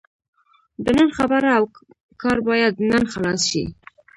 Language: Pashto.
د نن خبره او کار باید نن خلاص شي.